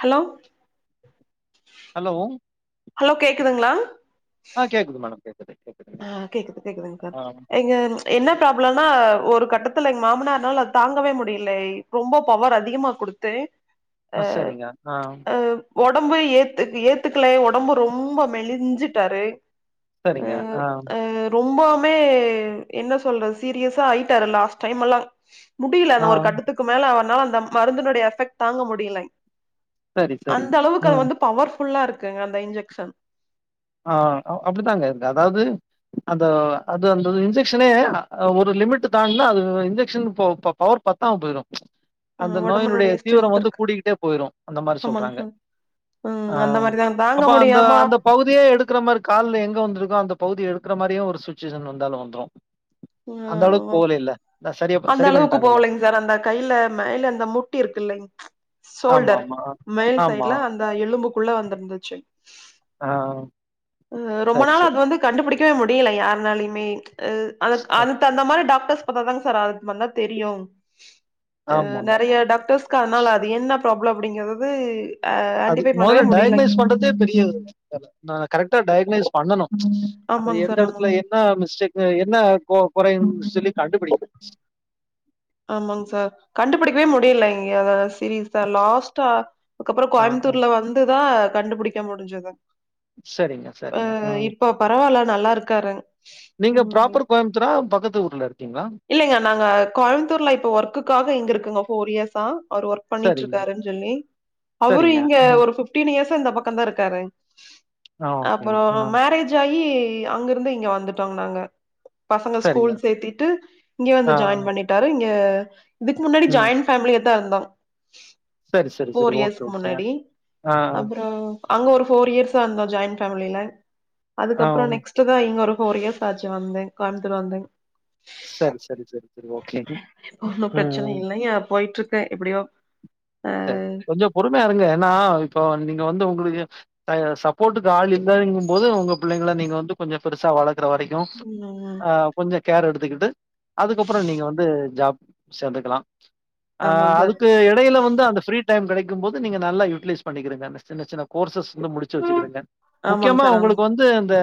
Hello hello hello கேக்குதுங்ளா அ கேகுது மேடம் கேக் அ கேக்குது கேக்குதுங்க சார் எங்க என்ன ப்ராப்ளம்னா ஒரு கட்டத்துல எங்க மாமனார்னால அத தாங்கவே முடியல ரொம்ப பவர் அதிகமா குடுத்து அ செரிங்க அ ஒடம்பு ஏத்து ஏத்துக்கல ஒடம்பு ரொம்போ மெழிஞ்சிட்டாரு செரிங்க அ ரொம்பாமே என்ன சொல்றது சீரியஸா ஆயிட்டாரு லாஸ்ட் டைம் எல்லா முடியல ஆ அந்த ஒரு கட்டத்துக்கு மேல அவர்னால அந்த மருந்தினுடைய எஃபெக்ட் தாங்க முடியல சரி சரி அந்த அளவுக்கு அது ம் வந்து பவர் ஃபுல்லா இருக்குங்க அந்த இன்ஜெக்ஷன் அ அப்பிடித்தாங்க இருக்கு அதாவ்து அந்த அது அந்த இன்ஜெக்ஷனே ஒரு லிமிட்ட தான்டுனா அது இன்ஜெக்ஷன் பவர் பத்தாம போயிரு அ அந்த நோயினுடைய ஒடம்புனுடைய தீவிரம் ஸ்ட்ரென்த் வந்து இருக்கு கூடிக்கிட்டே போயிரு அந்த மாரி ஆமாங்க சொல்றாங்க சார் அ ம் அந்த மாரிதா தாங்க அப்போ அந்த முடியாம அந்த பகுதியே எடுக்க இருக்கிற மாரி கால்ல எங்க வெந்திருக்கோ அந்த பகுதிய எடுக்கிற மாரியு ஒரு சுச்சுவேஷன் வந்தாலு வந்துரு ஆ அந்த அளவுக்கு போகலில்ல அந்த அளவுக்கு போகலிங் சார் அந்த கையில மேல அந்த முட்டி இருக்கு இல்லிங் ஆமா சோல்டர் ஆமா மேல் ஆமா சைடு்ல அந்த எலும்புக்குள்ள வந்திருந்துச்சு ஆ அ ரொம்ப சரி நாளா சரி அது வந்து கண்டுபிடிக் வே முடியல யாருனாலிமே அ அந்த மாரி டாக்டர் டர்ச் பாத்தா தா சார் அத பத்தி தெரியு ஆமாமாமா. நெறைய டாக்டர்ஸ்கு அதுனால அது என்ன ப்ராப்ளம் அப்டிங்கறது அது முதல்ல டயக்னைஸ் பண்றதே பெரிய ந கரெக்டா டயக்னைஸ் பண்ணனு அது ஆமாங் எந்த சார் ஆமாங் எடத்துல என்ன மிஸ்டேக் என்ன குறைன்னு சொல்லி கண்டுபிடி உ ஆமாங் சார் கண்டுபிடிக்கவே முடியல இங்கே அத சீரீஸா லாஸ்ட்டா அதுக்கப்புறோ ஆ, ஆ. கோயம்புத்தூர்ல வந்துதா கண்டுபிடிக்க முடிஞ்சுது சரிங்க, அ சரிங்க. ம். இப்ப பரவாயில்ல நல்லா இருக்காரு நீங்க ப்ராப்பர் கோயம்புத்தூரா பக்கத்து ஊர்ல இருக் இல்லிங்க நாங்க கோயம்புத்தூர்ல இப்ப ஒர்க்குக்காக இங்க இருக்குங்க ஃபோர் இயர்ஸ்சா அவர் ஒர்க் பண்ணிட்டு சரிங்க, இருக்காருன்னு சொல்லி அவரு சரிங்க. இங்க ம். ஒரு பிப்டீன் இயர்ஸ் இந்த பக்கம் தா இருக்காரு ஆ ஓகேங்க. அப்புறோ ஆ மேரேஜ் ஆயி அங்க இருந்து இங்க வந்துட்டோங்க நாங்க பசங்க சரிங்க. ஸ்கூல் சேத்திட்டு இங்க ஆ, வந்து ஜாயின் ஆ. பண்ணிட்டாரு இங்க இதுக்கு முன்னாடி ம். ஜாயின் பேஃமிலியத்தா இருந்தோ சரி, சரி, சரி. ஃபோர் ஓகே, இயர்ஸ்கு ஓகே. முன்னாடி ஆ, ஆ. அப்புறோ அங்க ஒரு ஃபோர் இயர்ஸா இருந்தோ ஜாயின் ஃபேமில ஆ. அதுக்கப்புறோ நெக்ஸ்ட்டு தா இங்க ஒரு ஃபோர் இயர்ஸ் ஆச்சு வந்து கோயம்முத்தூர் வந்துங் சரி, சரி, சரி, சரி. ஓகே. ஒன்னு பிரச்சனை ம். இல்லையா போயிட்ருக்கே எப்டியோ அ சரி கொஞ்சோ பொறுமையா இருங்க ஏன்னா இப்போ நீங்க வந்து உடுக டைய சப்போட்டுக்கு ஆள் இல்லைங்கும் போது உங்க பிள்ளைங்கள நீங்க வந்து கொஞ்சோ பெருசா வள க்கற வரைக்கு ம் அ கொஞ்சோ கேர் எடுத்துகிட்டு அதுக்கப்புறோ நீங்க வந்து ஜாப் சேந்துக்கலா அ ஆமாங் சார் அதுக்கு எடையில வ ந்து அந்த ஃப்ரீ டைம் கெடைக்கும் போது நீங்க நல்லா யுட்லைஸ் பண்ணிகிருங்க அந்த சின்ன சின்ன கோர்சஸ் ந்து முடிச்சு வெச்சுகிருங்க ஆமாங் முக்கியமா சார் ஆமாங் உங்குளுக்கு வந்து அந்த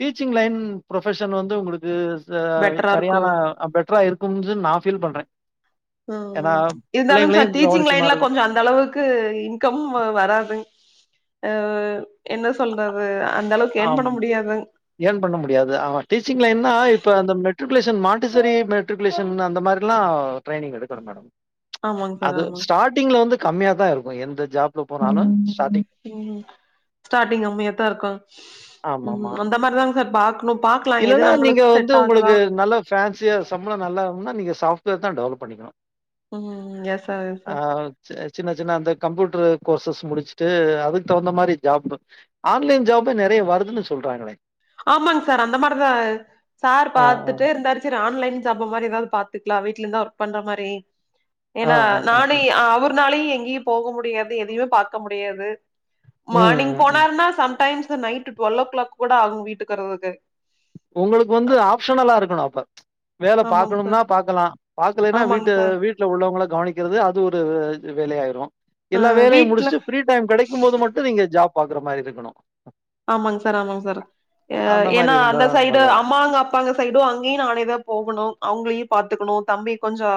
டீச்சிங் லைன் புரஃபஷன் வந்து உங்குளுக்கு த பெட்டரா இருக்கு சரியான அ பெட்ரா இருக்கும்து நா ஃபீல் பண்றே ஏனா பிள்ளைங்ளையு கவனி சைட்ல கொஞ்சோ அந்த அளவுக்கு இன்கம் வராதுங் அ வ் என்ன சொல்றது அந்த அளவுக்கு ஏர்ன் ஆம் பண்ண முடியாதுங் ஏன் பண்ண முடியாது ஆமா டீச்சிங் லைன்னா இப்ப அந்த மெட் ரிகுலேஷன் மாட்டசெரி மெட்ரிக்குலேசன் அந்த மாரில்லா ட்ரைய்னிங் எடுக்கணும் மேடம் ஆமாங் சார் அது ஆமாங் ஸ்டாட்டிங்ல வந்து கம்மியாதா இருக்கு எந்த ஜாப்ல போனாலு ம் ஸ்டாட்டிங் கம்மியாத்தா இருக்கு ஆமாமா. ம் அந்த மாரிதாங் சார் பாக் இல்லன்னா நீங்க வந்து உங்குளுக்கு நல்ல ஃபேன்சியா சம்பளோ நல்லாம்னா நீங்க சாஃப் ட்வேர்தா டெவலப் பண்ணிக்குணு ம் எஸ் சா எஸ் சா சி சின்ன சின்ன அந்த கம்ப்யூட்ரு கோர்சஸ் முடிச்சுட்டு அதுக் தவுந்த மாரி ஜாப்பு ஆன்லைன் ஜாப்பே நெற ய வருதுன்னு சொல்றாகளே ஆமாங் சார் அந்த மார்தா சார் ஆ, பாத்துட்டே இருந்தாரு செர் ஆன்லை ன் ஜாப்ப மாரி எதாவ்து பாத்துக்லா வீட்லந்த ஒர்க் பண்ற மாரி ஆ, ஏனா ஆ, ஆ, ஆ. நானே இ அவுரு னாலியு எங்கியு போக முடியாது எதையுமே பாக்க முடியாது ம், மானிங் ம், ம். போனாருனா sometimes night twelve o'clock கூட ஆகுங் வீட்டுக் வறதுக்கு உங்களுக்கு வந்து ஆப்ஷனலா இருக்கணு அப்ப வேல ஆமாங் பாக்கணும்னா சார் பாக்கலா பாக்கலைனா வீட்ட ஆமாங் சார் வீட்ல உள்ளவங்கள கவனிக்கிறது அது ஒரு வ வேலை ஆயிரு எல்லா அ வேலையும் வீட்ல முடிச்ட்டு ஃப்ரீ டைம் கெடைக்கும் போது மட்டு நீங்க ஜாப் பாக்கற மாரி இருக்குணு ஆமாங் சார் ஆமாங் சார் அ அந்த மாரி ஏனா இருந்தா அந்த சை டு நல்லா இருக்கு அம்மாங்க அப்பாங்க சைடு அங்கியு நானே தா போ கணு அவுங்ளையு பாத்துக்கணு தம்பி கொஞ்சோ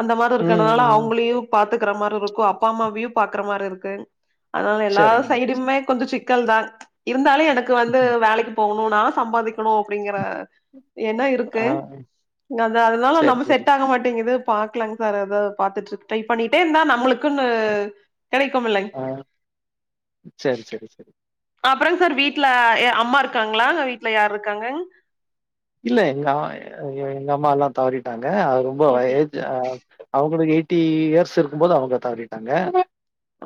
அந்த மாரி ம் இருக்கனால ம் அவுங்களையு பாத்து க்கற மாரிருக்கு அப்பா அம்மாவியு பாக்கற மாரிருக்குங் அதனால எல்லா சரிங்க மேடம் சைடுமே கொஞ்சோ சிக் கல்தான் இருந்தாலு எனக்கு வந்து வேலைக்கு போகணு நா சம்பாதிக் குணு அப்டிங்கற எண்ணோ இருக்கு ஆ அதா அதுனால சரி நம்ம சரி செட் ஆக மாட்டிங்கிது பாக்லாங் சார் அதா பாத்துட்ருக்கு ட்டை பண்ணிட்டேந்தா நம்மளுக்குன்னு கெடைக்கும் இல்லைங் அ செர் செரி செரி அப்புறங் சார் வீட்ல எ அம்மா இருக்காங்ளா வீட்ல யார்ருக்காங்க இல்ல எங்க அமா எங்க அம்மால்லா தவறிட்டாங்க அது ரொம்போ வ ஓகே ஏஜ் எ அவுங்களுக்கு எயிட்டி இயர்ஸ் இருக்கும்போது அவுங்க தவறிட்டாங்க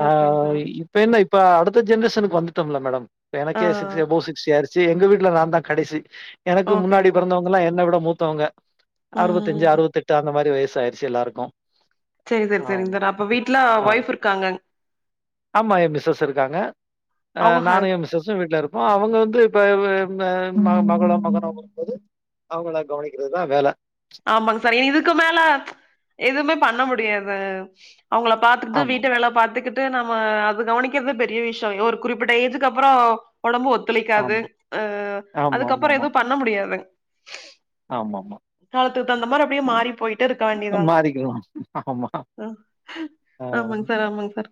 ஆ ஓகேங் சார் இப்ப என்ன இப்ப அடுத்த ஜன்ரேஷ்சனுக்கு வந்துட்டமில்ல மேடம் இப்ப ஆ எனக்கே சிக்ஸ் எபோ சிக்ஸ் இயர்ஸ் ச்சி எங்க வீட்ல நா தா கடைசி எனக்கு ஓகேங் முன்னாடி சார் பெறந்தவங்கள்லா என்ன விட மூத்தவங்க அறவத்தஞ்சி ம் அறுவத்தெட்டு அந்த மாரி வயசு ஆயிருச்சி எல்லாருக்கு செரி சார் செரிங் சார் அப்ப வீட்ல ஆமா. ஒய்ஃப் இருக்காங்கங் ஆமா எ மிசஸ் இருக்காங்க அவங்க நானு எ மிஸ்சசு வீட்ல இருப்போ அவுங்க வந்து இப்ப வு ன ம மகளோ மகனோ வரும்போது அவுங்கள கவனிக்கிறதுதா வேல ஆமாங் சார் இனி இதுக்கு மேல எதுவுமே பண்ண முடியாது அவுங்கள பாத்துக்கிட்டு ஆமா, வீட்டு வேல பாத்துக்கி ட்டு நம்ம அது கவனிக்கறது பெரிய விஷ்யோ யோ ஒரு குறிப்பிட்ட ஏஜுக்கு அப்றோ ஒடம்பு ஒத்துழைக்காது ஆமா. அ அதுக்கப்றோ ஆமாமாமா. எது பண்ண முடியாதுங் ஆமாமா காலத்துக்கு தவுந்த மாரி அப்டியே மாரி போயிட்டே இருக்க வேண்டிதாங் மாறிக்கணும். ஆமா. அ ஆ. ஆமாங் சார் ஆமாங் சார்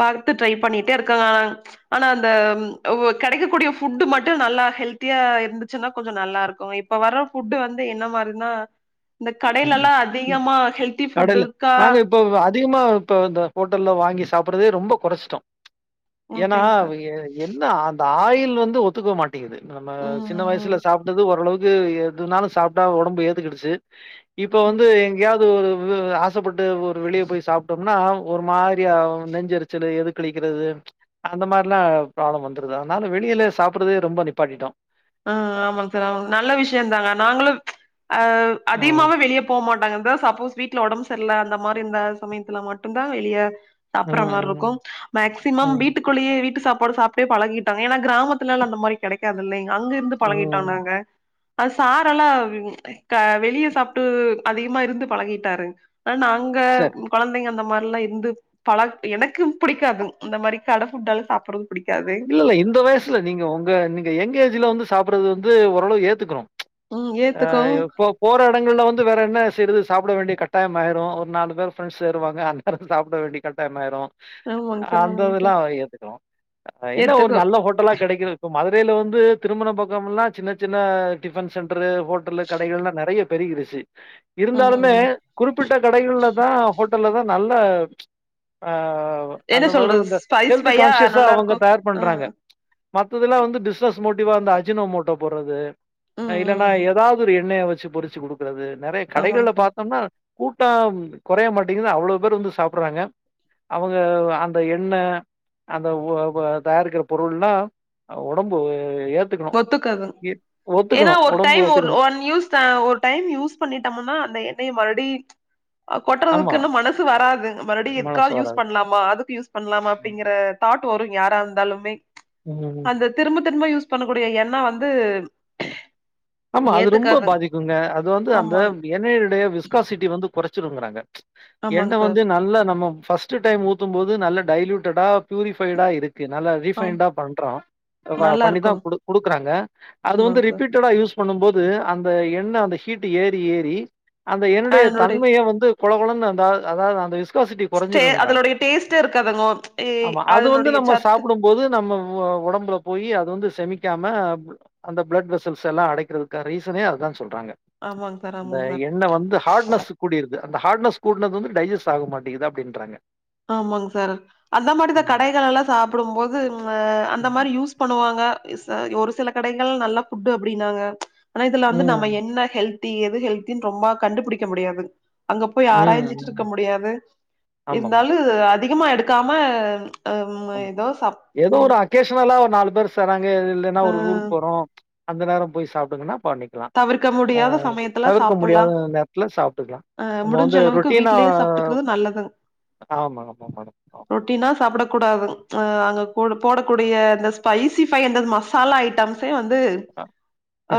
பார்த்து ட்ரைப் பண்ணிட்டே இருக்காலா ஆனா அந்த ஓ கெடைக்கக்கூடிய ஃபுட்டு மட்டு நல்லா ஹெல்த்தியா இருந்து ச்சுனா கொஞ்ச நல்லா இருக்கு இப்ப வர ஃபுட்டு வந்து என்ன மாரி னா இந்த கடைலலா ம். அதிகமா ஹெல்த்தி ஃபுட்டு கடைல இருக்கா நாங்க இப்போ அதிகமா இப்ப இந்த ஹோட்டல்ல வாங்கி சாப்றதே ரொம்ப கொறச்சுட்டோ ஏனா ஓகேங் சார் அவங்கெ என்ன அந்த ஆயில் வந்து ஒத்துக்க மாட் டிங்குது நம்ம ம் சின்ன ம் வயசுல ம். சாப்டது ஓரளவுக்கு எதுனாலு சாப்டா ஒடம்பு ஏத்துக்கிடுச்சு இப்ப வந்து எங்கயாவ்த் து வு ஆசப்பட்டு ஒரு வெளிய போய் சாப்டோம்னா ஒரு மாரியா ம் நெஞ்செரிச்சலு எதுக்களிக்க றது அந்த மார்லா ப்ராப்ளம் வந்துருது அதனால வெளியிலே சாப்புட்றதே ரொம்ப நிப்பாட்டிட்டோ ஆ ஆமாங் சார் ஆமா நல்ல விஷ்யந்தாங்க நாங்களு அ ஆ. அதிகமாவே வெளிய போ மாட்டாங்க ப்டிதா சப்போஸ் வீட்ல ஒடம்பு சர்ல அந்த மாரி இருந்த சமயத்துல மட்டுந்தா வெளிய சாப்ட்ற ம், மார்ருக்கு ம், மேக்சிமம் ம், வீட்டுக்குள்ளயே வீட்டு சாப் பாடு சாப்டே பழகிட்டோ ஏனா கிராமத்துலலா அந்த மாரி கெடைக்காதுல்லைங்க அங்குருந்து பழகிட்டோ ம். நாங்க அது சாரெல்லா வ் க வெளிய சாப்டு அதிகமா இருந்து பலகிட்டாரு அ நாங்க சரி. கொழந்தைங்க அந்த மார் லா இருந்து பழக் எனக்கு புடிக்காதுங் இந்த மாரி கட ஃபுட்டெல்லா சாபட்றதுக்கு இல்ல இல்ல இந்த வயசுல நீங்க ஓங்க நீங்க எங்க ஏஜ்ல வந்து சாப்றது வந்து ஓரளவு ஏத்துக்குறோ ம் ஆ ஏத்துக்கவு இப்போ போற எடங்கள்ல வந்து வேற என்ன செய்றது சாப்ட வேண்டிய கட்டாயமாயிரு ஒரு நாலு பேரு ஃப்ரெண்ட்ஸ் சேருவாங்க அந்நேர சாப்ட வேண்டிய கட்டாயமாயிரு ஆமாங் சார் அந்த ஆமாங் இதுலா சார் ஏத்துக்குறோ என்ன ஒரு ஏத்துக்கு நல்ல ஹோட்டலா கெடைக்கிறதுக்கு மதுரைல வந்து திருமுன பக்கம்முலா சின்ன சின்ன டிஃபென் சென்ட்ரு ஹோட்டலு கடைகள்லா நெறையா பெருகிருச்சு ம் இருந்தாலுமே ம் குறிப்பிட் ட கடைகள்லதா ஹோட்டல்லதா நல்ல ஆ ஓ என்ன அந்த மாரி சொல்றது வந்த ஸ்பை ஹெல்த்து ஸ்பையா கான்ஷியஸா நல்லா அவங்க இருக்கும் தயார் ஆ பண்றாங்க மத்ததெல்லா வந்து பிஸ்னஸ் மோட்டிவா இந்த அஜினோமோட்டோ போட்றது அ ம், இல்லன்னா ம். எதாவ்து ஒரு எண்ணெய வச் சு பொரிச்சு குடுக்கிறது நெறைய ஆமாங்க கடைகள்ல சார் பாத்தம்னா கூட்டம் கொறைய மாட்டிங்குதுனு அவ்ளோ பேரு வந்து சாப்ட்றாங்க அவுங்க அந்த எண்ண அந்த ஓ ஓ தயாரிக்கிற பொருள்லா அ ஒடம்பு ஏத்துக்கணு ஏ ஏனா ஒரு டைம் ஒரு ஒன் யூஸ்தா ஒரு டைம் யூஸ் பண்ணிட்டமுனா அந்த எண்ணெய்ய மறுடி [inaudible] அ கொட்றதுக்கு ஆமா. இன்னு மனசு வராதுங் மறுபடியு மனசு எதுக்காவ்து யூஸ் வராது. பண்லாமா அதுக்கு யூஸ் பண்லாமா அப்டிங்கிற தாட் வரு யாரா இருந்தாலுமே ம். அந்த திரும்ப திரும்ப யூஸ் பண்ணக்கூடிய எண்ண வந்து ஆமா அது ரொம்ப ஏத்துக்காது பாதிக்குங்க அது வந்து அந்த ஆமாங்க எண்ணெய்யினுடைய விஸ்காசிட்டி வந்து கொறச்சிருங்றாங்க எண்ண ஆமாங்க சார் வந்து நல்லா நம்ம ஃபஸ்ட்டு டைம் ஊத்தும்போது நல்ல டைலியூட்டடா பியூரிஃபைடா இருக்கு நல்லா ஆ ரீஃபைன்டா பண்றோ அ வா நல்லா பண்ணி தா இருக்கும் குடு குடுக்குறாங்க அது வந்து ஆமாங்க சார் ரிபீட்டடா யூஸ் பண்ணும் போது அந்த எண்ண அந்த ஹீட்டு ஏறி ஏறி அந்த எண்ணெயுடைய அதனுடைய தன்மைய வந்து கொழ கொழனு அந்தா அதாவ்து அந்த விஸ் கோசிட்டி ஸ்டே கொறஞ்சுருன்றாங்க அதனுடைய டேஸ்ட்டே இருக்காதுங்க ஏ ஆமா அது வந்து அதனுடைய நம்ம சத்து சாப்டும்போது நம்ம வ அ ஒடம்புல போயி அது வந்து செமிக்காம பிள அந்த பிளட் வெசல்ஸ் எல்லா அடைக்கிறதுக்கான ரீசனே அதுதா சொ சொல்றாங்க ஆமாங்க சார் அந்த ஆமாங்க சார் எண்ண வந்து ஹார்ட்னஸு கூடிருது அந்த ஹார்ட்னஸ் கூடுனது வந்து டைஜஸ்ட் ஆக மாட்டிங்குது அப்டின்றாங்க ஆமாங் சாரு அந்த மாரிதா ம், கடைகளெல்லா சாப்டும் போது அ அந்த மாரி ம், யூஸ் பண்ணுவாங்க இ சா ஒரு சில கடைகள் நல்ல ஃபுட்டு் அப்டின்னாங்க ஆனா இதுல வந்து நம்ம ம், என்ன ஹெல்த் தி எது ஹெல்தின் ரொம்பலா கண்டுபிடிக்க முடியாது அங்க போய் ம், ஆராய்ஞ்சிட்டு ம். இருக்க முடியாது ஆமாமா. இருந்தாலு அதிகமா எடுக்காம ம் ஏதோ சாப் ஏதோ ஒரு ம் அகேஷனலா ஒரு நாலு பேர் சறராங்க இல்லைன்னா அ ஒரு ஊருக்கு போறோம் அந்த நேரம் போய் சாப்பிடுங்கன்னா பண்ணிக்கலா தவிர்க்க ஆ முடியாத சமயத்துல தவிர்க்க சாப்புட்லா முடியாத நேரத்துல சாப்ட்டுக்கலா அ நம்ம முடிஞ்ச வந்து அளவுக்கு ரொட்டீனா வீட்லயே சாப்ட்டுக்கிறது நல்லதுங் ஆமா ஆமா மேடம் ஆ ரொட்டீனா சாப்டக் கூடாது அங்க போடக்கூடிய அந்த ஸ்பைசி பை அந்தது மசாலா ஐட்டம்ஸ் வந்து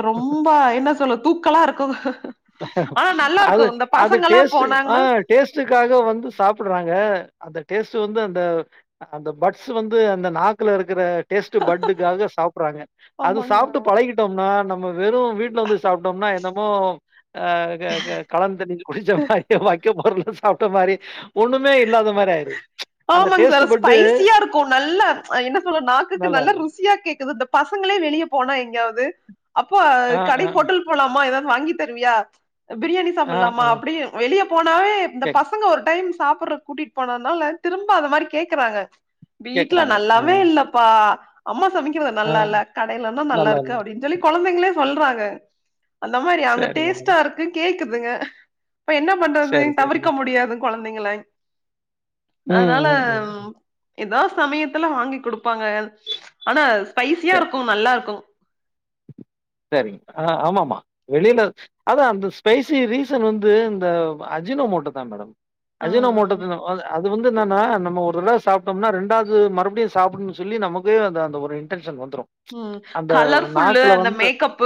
ரொம்ப என்ன சொல்லு தூக்கலா இருக்கு அது அது டேஸ்ட் ஆ போனாங்கன்னா டேஸ்ட்டுக்காக வந்து சாப்படுறாங்க அந்த டேஸ்ட்டு வந்து அந்த அந்த பட்ஸ் வந்து அந்த நாக்கில இருக்கிற டேஸ்ட் பட்காக சாப்டறாங்க அது ஆமாங்க சார் சாப்பிட்டு பழகிட் நம்ம வெறும் வீட்ல வந்து சாப்ட்டோம்னா என்னமோ ஆ க க களந்தண்ணி குடிச்ச மாரிய வக்க போர்ல சாப்ட்ட மாரி ஒண்ணுமே இல்லாத மாரி ஆயீடுது ஆமாங்க சார் ஸ்பைசியா இருக்கு நல்ல என்ன சொல்ற நாக்குக்கு நல்ல நல்லாருக்கும். ருசியா கேக்குது இந்த பசங்க ங்கள வெளியே போனா எங்காவது அப்போ ஆ, கடை ஆ, ஹோட்டல் போலாமா ஏதாவது வாங்கி தருவியா பிரியாணி ஆ, சாப்டலாமா ஆ அப்படி வெளியே போனாவே இந்த கேக் பசங்க ஒரு டைம் சாப்டற கூட்டிட்டு போனதுனால திரும்ப அதமாரி கேக்குறாங்க வீட்ல கேட்கறாங்க. ஆ, நல்லாவே இல்லப்பா அம்மா சமைக்கிறது ஆ நல்லா இல்ல கடையிலன்னா நல்லா இருக்கு அப்படின்னு சொல்லி குழந்தைங்களே சொல்றாங்க அந்த மாரி அந்த சரிங்க டேஸ்ட்டா மேடம். இருக்கு கேக்குதுங்க இப்ப என்ன பண்றது சரி, சரிங்க. தவிர்க முடியாது குழந்தைங்களே ம், அதனால ம், ம். ஏதோ சமயத்துல வாங்கி கொடுப்பாங்க ஆனா சரி. ஸ்பைசியா இருக்கு நல்லா இருக்கு சரிங்க ஆமாம்மா வெளியில அதான் அந்த ஸ்பைசி ரீசன் வந்து இந்த அஜினொமோட்ட தா மேடம் அஜினோ மோட்ட ம் அது வந்து என்னனா நம்ம ஒரு தடவ சாப்ட்டோம்னா ரெண்டாவது மறுபடியும் சாப்பிடநு சொல்லி நமக்கே அந்த ஒரு இன்டென்ஷன் வந்துரும். ம் அந்த கலர்ஃபுல்லு நாக்குல அந்த வந்து மேக்கப்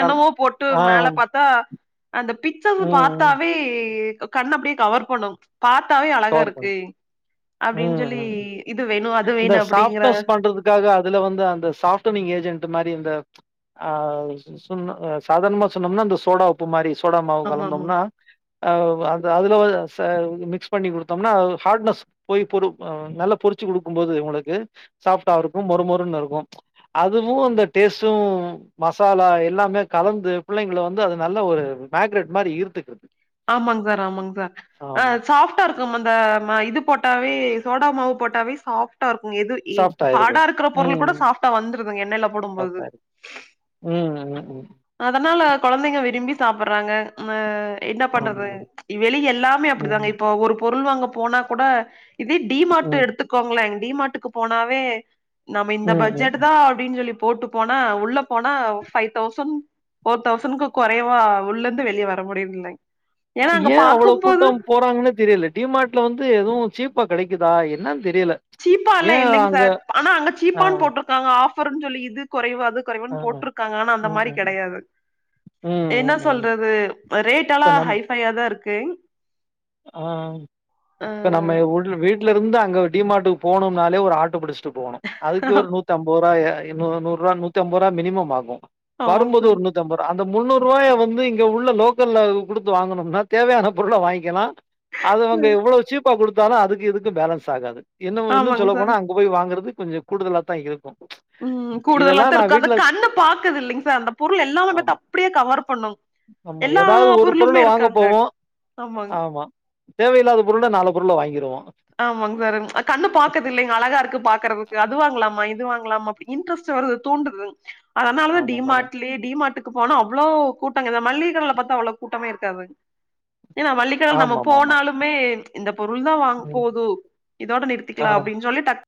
கல் போட்டு ஆ மேல பாத்தா அந்த பிக்சர்ஸ் ம், ம். பார்த்தாவே கண்ண அப்படியே கவர் பண்ணு பாத்தாவே அழகா கவர் பண்ணி. இருக்கு அப்டின்னு ம் சொல்லி ம் இது வேணு அது இந்த வேணு அப்டிங்கற சாப்ட்னஸ் பண்றதுக்காக அதுல வந்து அந்த சாஃப்ட்ரிங் ஏஜென்ட் மாதிரி இந்த ஆ சாதாரணமா சொன்னம்னா அந்த சோடா உப்பு மாரி சோடா மாவு ஆமா ஆமா கலந்தோம்னா அதுல மிக்சு பண்ணி கொடுத்தோம்னா ஹார்ட்னெஸ் போய் நல்ல பொறிச்ச கொடுக்கும்பது உங்களுக்கு சாஃப்ட்டா இருக்கு மொறு மொறுனு இருக்கு அதுவும் அந்த டேஸ்டு மசாலா எல்லாமே கலந்து புள்ளைங்க ல இது வந்து அது நல்லா ஒரு மேக்ரேட் மாரி ஈருத்துக்குருது ஆமாங் சார் ஆமாங் சார் ஆ சாஃப் ட்டா இருக்கு அந்த ம இது போட்டாவே சோடா மாவு போட்டாவே சாப் சாஃப்ட்டா சாஃப்ட் ஆயிருது ஹார்டா இருக்குற பொருள் கூட ம் சாஃப்ட்டா வந்துருதுங்க எண்ணெய்ல போடும்போது சாஃப்ட் ஆயிருது ம் ம் குழந்தைங்க விரும்பி சாப்டுறாங்க அ இன்ன பண்றது ஆமாமா வெளியேல்லாமே ம் அப்டிதாங்க இப்ப ஒரு பொருள் வாங்க போனா கூட இதே டிமார்ட்டு ம் எடுத்துக்கோங்ளே டிமார்டுக்கு போனாவே நாம இந்த ம் ம் ம் பட்ஜெட் தா அப்டின்னு சொல்லி போட்டு போனா உள்ள போனா ஃபை தெளவ்ஸன் போர் தௌசண்கு குறைவா உள்ள இருந்து வெளிய வர முடியலங் ஏன் அவ்வளவு கூட்டம் போறாங்னே தெரியல டிமார்ட்ல வந்து எதுவு சீப்பா கிடைக்குதா என்ன சீப்பாலா இல்லிங் சார் ஆனா அங்க ஆ சீப்பான்னு போட்ருக்காங்க ஆஃபர்ன்னனு சொல்லி இது குறைவா குறைவு ஆ ஆ போட்ருக்காங்க ஆனா அந்த ம் மாரி ம் கிடையாது ம் என்ன ம் ம் சொல்றது ரேட் இப்ப எல்லா நம் ஹைபையாதா இருக்கு ஆ ஆ ஆ இப்ப நம்ம உடு வீடு ருந்து அங்க ஒரு டி மார்ட்டுக்கு போனும்னாலே ஒரு ஆட்டோ புடிஸ்ட்டு போனு அதுக்கு ஒரு நூத்து அம்பதுருவா இன்னு நூறுரூவா நூத்திஅம்பரூவா மினிமம் ஆகு ஆமாங் வரும்போது சார் ஒரு நூத்திஅம்பரூவா அந் இந்த முந்நூருவாயா வந்து இங்க உள்ள லோக்கல்ல குடுத்து வாங்கணும்னா தேவையான பொருள வாங்கிகலா அதுவங்க எவ்ளோ சீப்பா கொடுத்தாலு அதுக்கு இதுக்கு பேலன்ஸ் ஆகாது இன்னு இன்னு ஆமாங் சொல்ல சார் போனா அங்க போய் வாங்குறது கொஞ்ச கூடுதலா தா இருக்கு உம் இதெல்லா கூடுதலத்தா நா இருக்கு அந்த வீட்ல கண்ணு பாக்குது இல்லிங்க சார் அந்த பொருள் எல்லாமே பாத்து அப்டியே கவர் பண்ணு ஆமா எல்லா எதாது ஒரு பொருளா பொருளுமே இருக்கு வாங்க அங்க போவோ ஆமாங் ஆமா தேவையில்லாத பொருள நாலு பொருள வாங்கிருவோ ஆமாங் சாரு அ கண்ணு பாக்குதில்லைங்க அழகா இருக்கு பாக்குறதுக்கு அது வாங்லாமா இது வாங் லாமா இன்ட்ரெஸ்ட் வருது தூன்றுது அதனாலாத ஆமா மேடம் டிமாட்லேயே டிமாட் கு போனா அவ்ளோ கூட்டங்க அந்த மள்ளியக்கடைல பாத்தா அவ்ள கூட்டமே இருக்காது ஏன்னா மள்ளிக்கட்ல நம்ம ஆமாமாமா. போனாலுமே இந்த பொருள் தா வாங் ம். போது இதோட ஆ. நிறுத்திக்லா அப்டின் சொல்லி டக்